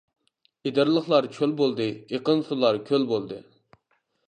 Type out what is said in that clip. ئېدىرلىقلار چۆل بولدى، ئېقىن سۇلار كۆل بولدى.